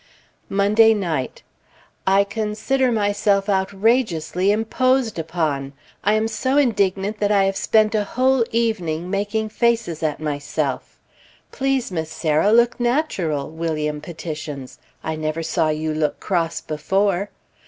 Monday night. I consider myself outrageously imposed upon! I am so indignant that I have spent a whole evening making faces at myself. "Please, Miss Sarah, look natural!" William petitions. "I never saw you look cross before."